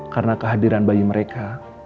karena kehadiran bayi mereka